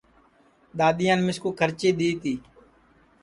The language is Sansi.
دؔادؔیان مِسکُوکھرچی دؔی تی